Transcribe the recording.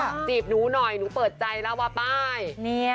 อ่ะจีบนูหน่อยนูเปิดใจแล้ววาไป